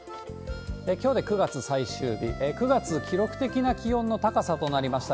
きょうで９月最終日、９月、記録的な気温の高さとなりました。